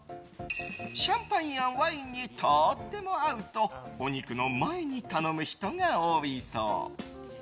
シャンパンやワインにとっても合うとお肉の前に頼む人が多いそう。